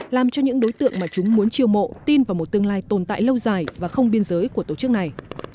làm cho những đối tượng mà chúng muốn chiều mộ tin vào một tương lai tồn tại lâu dài và không biên giới của tổ chức này